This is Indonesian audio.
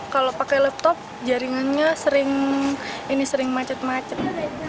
kalau pakai laptop jaringannya sering macet macet